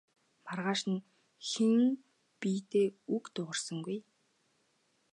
Маргааш нь хэн нь бие биедээ үг дуугарсангүй.